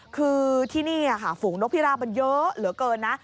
คือที่นี่ค่ะฝูงนกพิราบมันเยอะเหลือเกินนะ